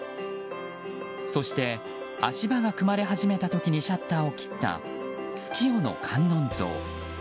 そして、足場が組まれ始めた時にシャッターを切った月夜の観音像。